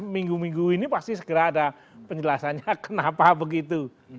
minggu minggu ini pasti segera ada penjelasannya kenapa begitu